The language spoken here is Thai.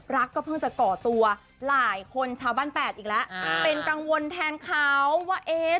ก็เพิ่งจะก่อตัวหลายคนชาวบ้านแปดอีกแล้วอ่าเป็นกังวลแทนเขาว่าเอ๊ะ